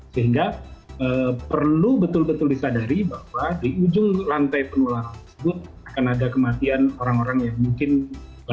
sehingga perlu betul betul disadari bahwa di ujung lantai penularan tersebut akan ada kematian orang orang yang mungkin